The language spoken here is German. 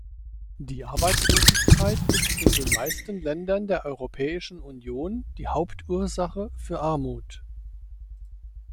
Die Arbeitslosigkeit ist in den meisten Ländern der Europäischen Union die Hauptursache für Armut.